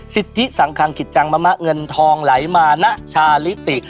สิทธิสังคังกิจจังมะมะเงินทองไหลมาณชาลิติ